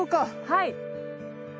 はい！